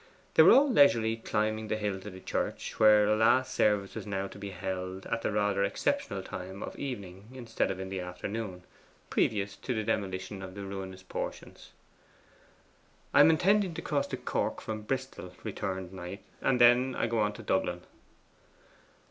They were all leisurely climbing the hill to the church, where a last service was now to be held at the rather exceptional time of evening instead of in the afternoon, previous to the demolition of the ruinous portions. 'I am intending to cross to Cork from Bristol,' returned Knight; 'and then I go on to Dublin.